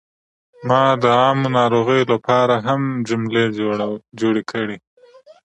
ما د عامو ناروغیو لپاره هم جملې جوړې کړې.